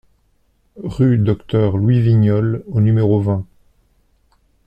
Rue Docteur Louis Vignolles au numéro vingt